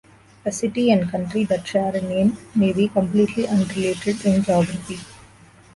A city and county that share a name may be completely unrelated in geography.